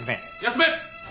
休め！